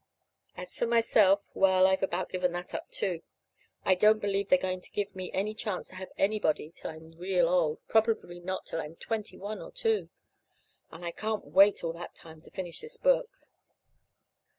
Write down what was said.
As for myself well, I've about given that up, too. I don't believe they're going to give me any chance to have anybody till I'm real old probably not till I'm twenty one or two. And I can't wait all that time to finish this book.